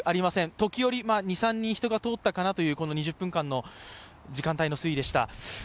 時折、２３人人が通ったかなというこの２０分間の時間帯の推移でした。